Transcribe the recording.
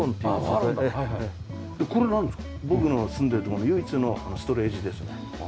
僕の住んでいる所の唯一のストレージですね。